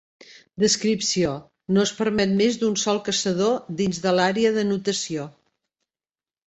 Descripció: no es permet més d'un sol Caçador dins de l'àrea d'anotació.